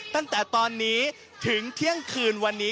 ตั้งแต่ตอนนี้ถึงเที่ยงคืนวันนี้